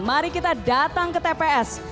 mari kita datang ke tps